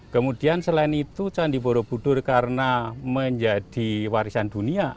kemudian selain itu candi borobudur karena menjadi warisan dunia